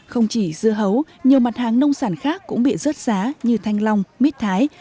không chỉ dưa hấu nhiều mặt hàng nông sản khác cũng bị rớt giá như thanh long mít thái